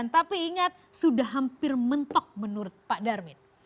tapi ingat sudah hampir mentok menurut pak darmin